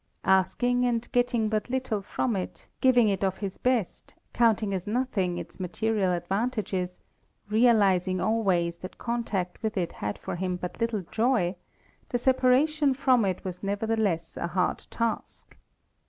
Asking and getting but little from it, giving it of his best, counting as nothing its material advantages, realizing always that contact with it had for him but little joy, the separation from it was nevertheless a hard task.